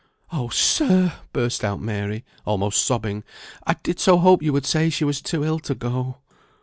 "Oh, sir!" burst out Mary, almost sobbing; "I did so hope you would say she was too ill to go."